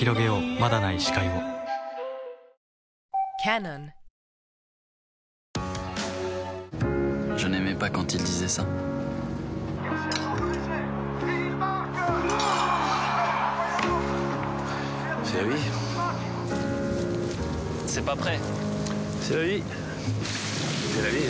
まだない視界をパパ。